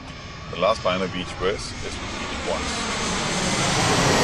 The last line of each verse is repeated once.